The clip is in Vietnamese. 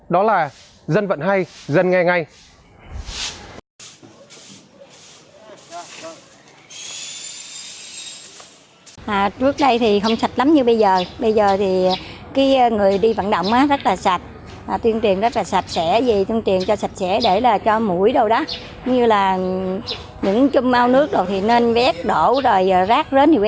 đó là dân vận hay dân nghe ngay